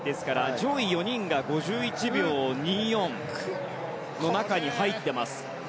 上位４人が５１秒２４の中に入ってます。